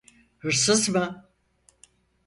Hırsız mı?